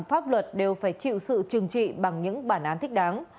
pháp luật đều phải chịu sự trừng trị bằng những bản án thích đáng